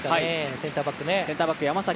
センターバックね。